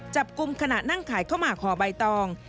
จับกลุ่มขณะนั่งขายข้าวหมากห่อใบตอง